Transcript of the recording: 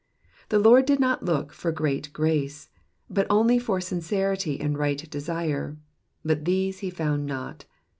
The Lord did not look for great grace, but only for sincerity and right desire, but these he found not.